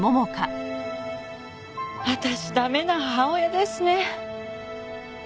私駄目な母親ですね。